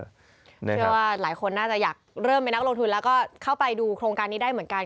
เชื่อว่าหลายคนน่าจะอยากเริ่มเป็นนักลงทุนแล้วก็เข้าไปดูโครงการนี้ได้เหมือนกัน